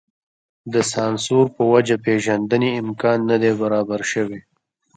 د سانسور په وجه پېژندنې امکان نه دی برابر شوی.